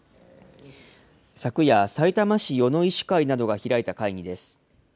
昨夜、さいたま市与野医師会などが開いた会議です。